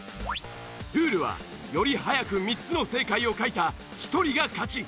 ルールはより早く３つの正解を書いた１人が勝ち。